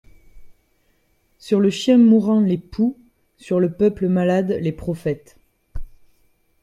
Sur le chien mourant les poux, sur le peuple malade les prophètes.